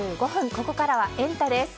ここからはエンタ！です。